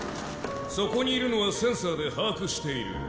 そこにいるのはセンサーで把握している。